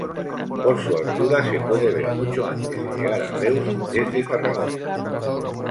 Por su altura se puede ver mucho antes de llegar a Reus desde Tarragona.